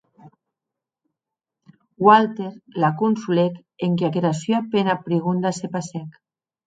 Walter la consolèc enquia qu’era sua pena prigonda se passèc.